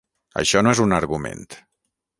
Això no és un argument.